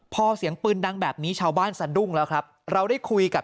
พอเสียงปืนดังแบบนี้ชาวบ้านสะดุ้งแล้วครับเราได้คุยกับ